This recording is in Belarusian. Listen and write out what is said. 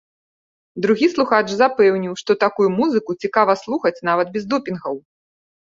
Другі слухач запэўніў, што такую музыку цікава слухаць нават без допінгаў.